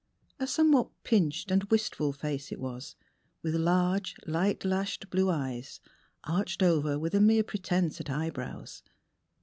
A somewhat pinched and wistful face it was, with large, light lashed blue eyes, arched over with a mere pretense at eyebrows.